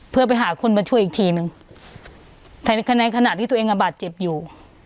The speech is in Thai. เพื่อไปหาคนมาช่วยอีกทีนึงแต่ในขณะที่ตัวเองอ่ะบาดเจ็บอยู่